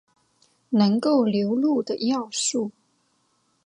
能够入流的要素。